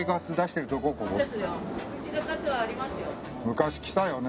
昔来たよね。